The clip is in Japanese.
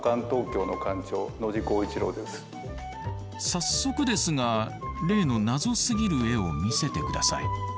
早速ですが例のナゾすぎる絵を見せて下さい。